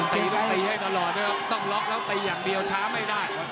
ตีต้องตีให้ตลอดนะครับต้องล็อกแล้วตีอย่างเดียวช้าไม่ได้ครับ